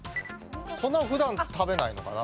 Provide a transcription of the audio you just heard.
そんな普段食べないのかな。